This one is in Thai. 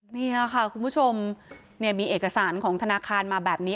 นี่ค่ะคุณผู้ชมมีเอกสารของธนาคารมาแบบนี้